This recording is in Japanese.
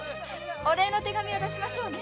お礼の手紙を出しましょうね。